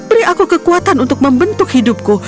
beri aku kekuatan untuk membentuk hidupku